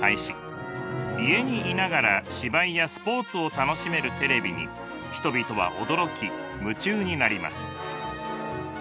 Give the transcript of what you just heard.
家にいながら芝居やスポーツを楽しめるテレビに人々は驚き夢中になります。